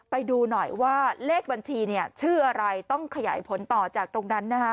ไปดูหน่อยว่าเลขบัญชีชื่ออะไรต้องขยายผลต่อจากตรงนั้น